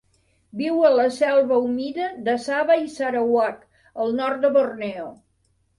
Viu a la selva humida de Sabah i Sarawak, al nord de Borneo.